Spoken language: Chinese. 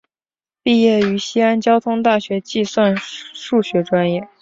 毕业于西安交通大学计算数学专业。